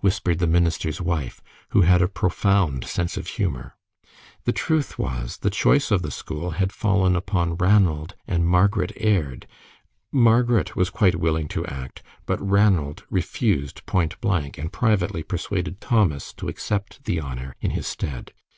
whispered the minister's wife, who had a profound sense of humor. The truth was, the choice of the school had fallen upon Ranald and Margaret Aird. Margaret was quite willing to act, but Ranald refused point blank, and privately persuaded Thomas to accept the honor in his stead.